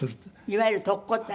いわゆる特攻隊？